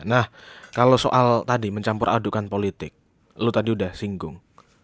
nah kalau soal tadi mencampur adukan politik lo tadi udah singgung